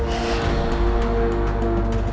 kita harus berhenti